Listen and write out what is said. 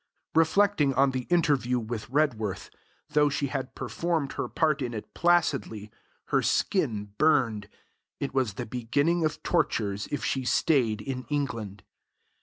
Reflecting on the interview with Redworth, though she had performed her part in it placidly, her skin burned. It was the beginning of tortures if she stayed in England.